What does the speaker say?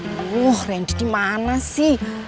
aduh randy dimana sih